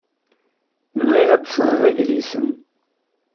Bɣiɣ ad d-sɣeɣ idlisen.